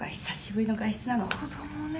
子供ね。